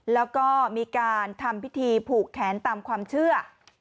แล้วก็มีการทำพิธีผูกแขนตามความเชื่อ